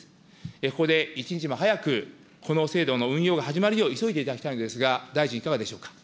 ここで一日も早く、この制度の運用が始まるよう急いでいただきたいのですが大臣、いかがでしょうか。